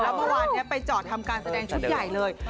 เมื่อวานนี้ไปจอดทำการแสดงชุดใหญ่เลย